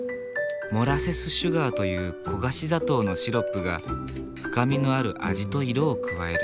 モラセスシュガーという焦がし砂糖のシロップが深みのある味と色を加える。